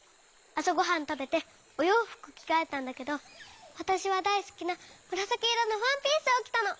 あさごはんたべておようふくきがえたんだけどわたしはだいすきなむらさきいろのワンピースをきたの。